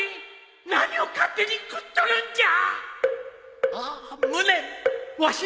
何を勝手に食っとるんじゃ！